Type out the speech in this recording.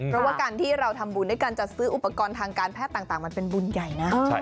เพราะว่าการที่เราทำบุญด้วยการจัดซื้ออุปกรณ์ทางการแพทย์ต่างมันเป็นบุญใหญ่นะ